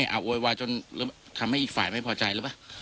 อ้าวโอ้ยว่าจนหรือทำให้อีกฝ่ายไม่พอใจหรือเปล่า